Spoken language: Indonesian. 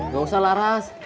gak usah laras